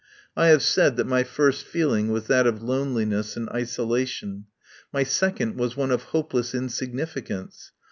I have said that my first feeling was that of loneliness and isolation; my second was one of hopeless in significance.